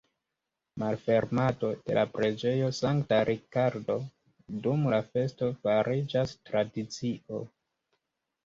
Malfermado de la preĝejo Sankta Rikardo dum la festo fariĝas tradicio.